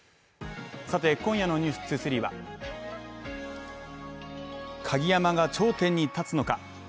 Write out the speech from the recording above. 今夜の「ｎｅｗｓ２３」は、鍵山が頂点に立つのか？